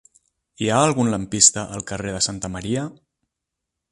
Hi ha algun lampista al carrer de Santa Maria?